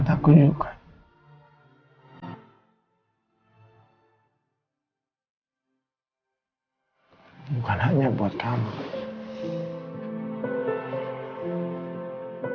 jadi kemudian aku mintano spray algumas tanah ya